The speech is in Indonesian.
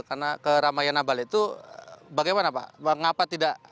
karena ke ramayana balet itu bagaimana pak